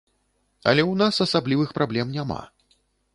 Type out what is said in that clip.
Але ў нас асаблівых праблем няма.